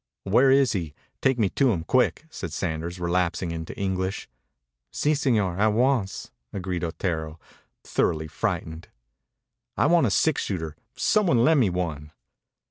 "Where is he? Take me to him, quick," said Sanders, relapsing into English. "Si, señor. At once," agreed Otero, thoroughly frightened. "I want a six shooter. Some one lend me one."